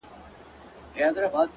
ورځه وريځي نه جــلا ســـولـه نـــن”